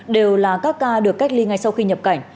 đều là các ca được cách ly ngay sau khi nhập cảnh